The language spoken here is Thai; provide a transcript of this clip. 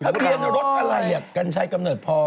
ทะเบียนรถอะไรอยากกันใช้กำเนิดพอร์ต